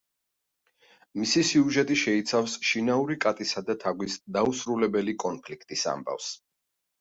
მისი სიუჟეტი შეიცავს შინაური კატისა და თაგვის დაუსრულებელი კონფლიქტის ამბავს.